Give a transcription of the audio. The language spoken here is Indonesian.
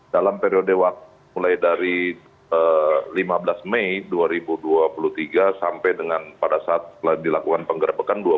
dalam periode mulai dari lima belas mei dua ribu dua puluh tiga sampai dengan pada saat telah dilakukan penggerbekan dua puluh tujuh mei